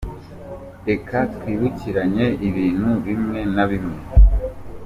Reka twibukiranye ibintu bimwe na bimwe: